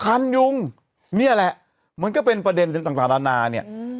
คันยุงเนี่ยแหละมันก็เป็นประเด็นต่างต่างด่านาเนี่ยอืม